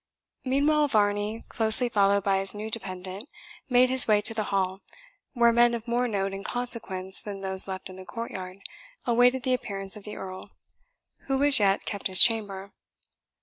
Meanwhile, Varney, closely followed by his new dependant, made his way to the hall, where men of more note and consequence than those left in the courtyard awaited the appearance of the Earl, who as yet kept his chamber.